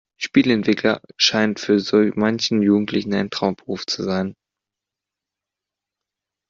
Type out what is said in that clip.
Spieleentwickler scheint für so manchen Jugendlichen ein Traumberuf zu sein.